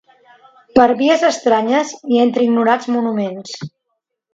Per vies estranyes i entre ignorats monuments